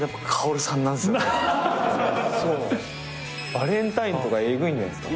バレンタインとかえぐいんじゃないですか？